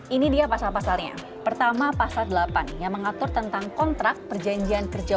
ini dia pasal pasalnya pertama pasal delapan yang mengatur tentang kontrak perjanjian kerja